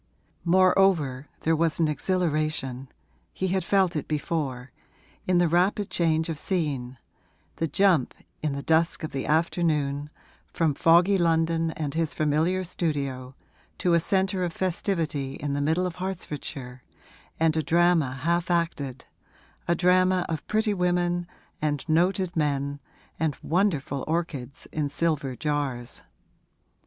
Moreover there was an exhilaration (he had felt it before) in the rapid change of scene the jump, in the dusk of the afternoon, from foggy London and his familiar studio to a centre of festivity in the middle of Hertfordshire and a drama half acted, a drama of pretty women and noted men and wonderful orchids in silver jars.